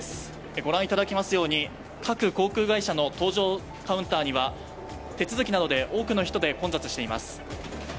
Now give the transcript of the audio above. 御覧いただきますように各航空会社の搭乗カウンターには手続きなどで多くの人で混雑しています。